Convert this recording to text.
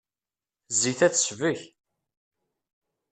Zzit-a tesbek.